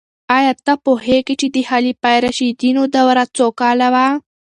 آیا ته پوهیږې چې د خلفای راشدینو دوره څو کاله وه؟